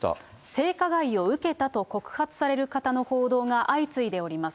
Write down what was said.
性加害を受けたと告発される方の報道が相次いでおります。